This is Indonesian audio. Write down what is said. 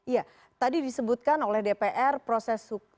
ya tadi disebutkan oleh dpr proses hukum